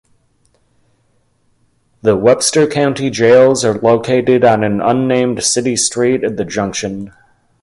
The Webster County Jails are located on an unnamed city street at the jct.